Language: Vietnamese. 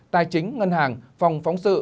tài chính ngân hàng phòng phóng sự